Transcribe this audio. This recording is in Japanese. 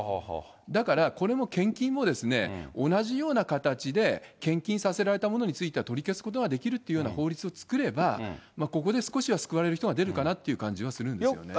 だから、これも献金も、同じような形で献金させられたものについては取り消すことができるというような法律を作れば、ここで少しは救われる人は出るかなっていう感じはするんですよね。